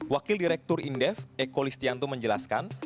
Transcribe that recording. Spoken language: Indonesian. wakil direktur indef eko listianto menjelaskan